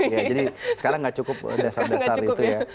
iya jadi sekarang nggak cukup dasar dasar itu ya